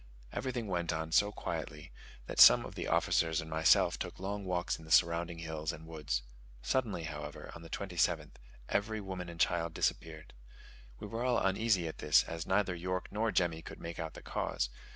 Everything went on so quietly that some of the officers and myself took long walks in the surrounding hills and woods. Suddenly, however, on the 27th, every woman and child disappeared. We were all uneasy at this, as neither York nor Jemmy could make out the cause.